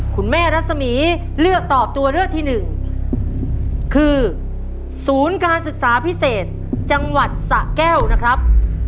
คุณแม่รัศมีร์เลือกตอบตัวเลือกที่หนึ่งคือศูนย์การศึกษาพิเศษจังหวัดสะแก้วนะครับ